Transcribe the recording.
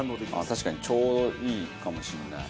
確かにちょうどいいかもしんない。